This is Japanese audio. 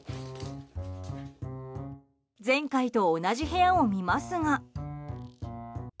前回と同じ部屋を見ますが。